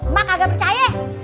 ma kagak percaya